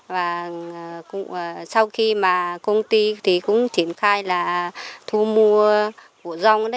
và sau khi mà công ty thì cũng triển khai là thu mua của rong